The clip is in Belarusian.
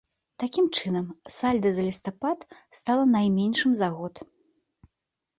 Такім чынам, сальда за лістапад стала найменшым за год.